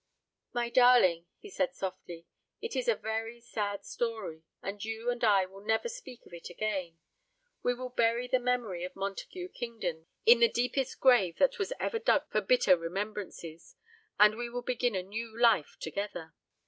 "My darling," he said softly, "it is a very sad story, and you and I will never speak of it again. We will bury the memory of Montague Kingdon in the deepest grave that was ever dug for bitter remembrances; and we will begin a new life together."